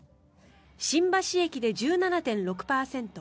新橋駅で１７．６％